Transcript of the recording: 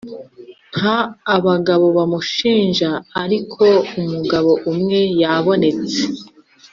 nta abagabo bamushinje ariko umugabo umwe yabonetse